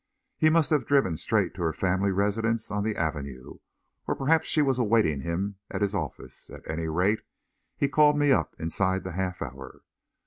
He must have driven straight to her family residence on the Avenue; or perhaps she was awaiting him at his office; at any rate, he called me up inside the half hour.